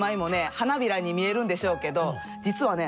花びらに見えるんでしょうけど実はね